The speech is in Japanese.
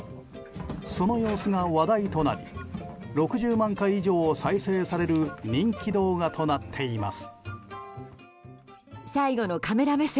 その様子が話題となり６０万回以上再生される人気動画となっています。